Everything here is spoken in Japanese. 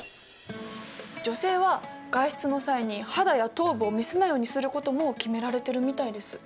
女性は外出の際に肌や頭部を見せないようにすることも決められてるみたいです。